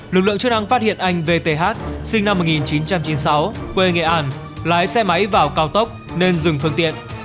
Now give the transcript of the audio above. lực lượng chức năng phát hiện anh vth sinh năm một nghìn chín trăm chín mươi sáu quê nghệ an lái xe máy vào cao tốc nên dừng phương tiện